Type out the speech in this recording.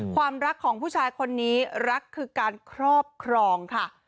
ความรักของผู้ชายคนนี้รักคือการครอบครองค่ะ